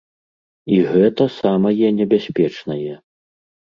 І гэта самае небяспечнае.